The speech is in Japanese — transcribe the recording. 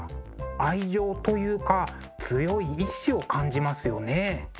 愛情というか強い意志を感じますよね。